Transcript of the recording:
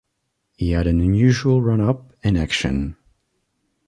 He had an unusual run-up and action.